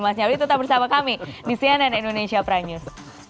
mas nyarwi tetap bersama kami di cnn indonesia prime news